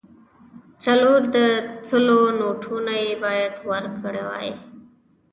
څلور د سلو نوټونه یې باید ورکړای وای.